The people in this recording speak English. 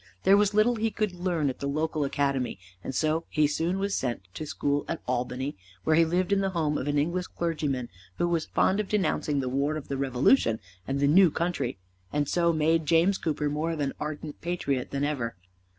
There was little he could learn at the local academy, and so he was soon sent to school at Albany, where he lived in the home of an English clergyman who was fond of denouncing the war of the Revolution and the new country, and so made James Cooper more of an ardent patriot than ever.